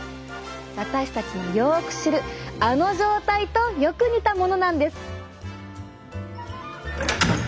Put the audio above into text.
私たちのよく知るあの状態とよく似たものなんです。